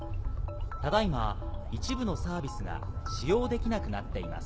ただ今一部のサービスが使用できなくなっています。